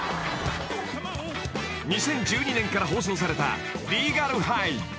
［２０１２年から放送された『リーガル・ハイ』］